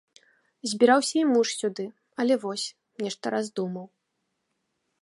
Збіраўся і муж сюды, але вось, нешта раздумаў.